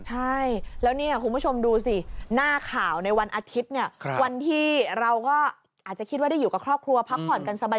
ใช่แล้วเนี่ยคุณผู้ชมดูสิหน้าข่าวในวันอาทิตย์เนี่ยวันที่เราก็อาจจะคิดว่าได้อยู่กับครอบครัวพักผ่อนกันสบาย